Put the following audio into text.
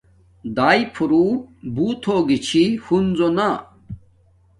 داݶݶ فروٹ بوت ہوگی چھی ہنزونا